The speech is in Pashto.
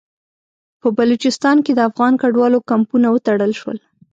په بلوچستان کې د افغان کډوالو کمپونه وتړل شول.